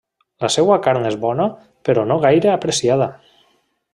La seua carn és bona però no gaire apreciada.